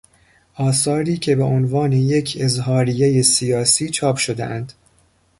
آثاری که به عنوان یک اظهاریهی سیاسی چاپ شدهاند